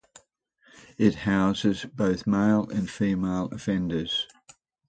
It houses both male and female offenders.